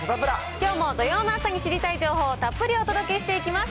きょうも土曜の朝に知りたい情報をたっぷりお届けしていきます。